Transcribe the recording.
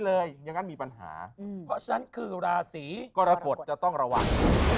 เลยยังนั้นมีปัญหาเพราะฉันคือราศรีก็รากฏจะต้องระวัง